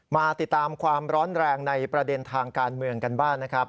มาติดตามความร้อนแรงในประเด็นทางการเมืองกันบ้างนะครับ